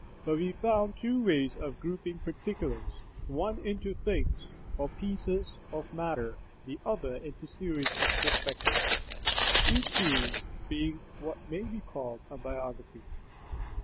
But we found two ways of grouping particulars, one into "things" or "pieces of matter," the other into series of "perspectives," each series being what may be called a "biography."